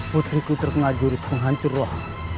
putriku terkena jurus menghancur roh